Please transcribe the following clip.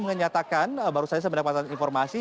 menyatakan baru saja mendapatkan informasi